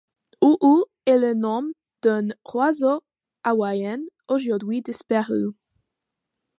O'o est le nom d'un oiseau hawaïen aujourd'hui disparu.